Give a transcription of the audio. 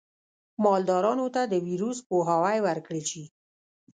مالدارانو ته د ویروس پوهاوی ورکړل شي.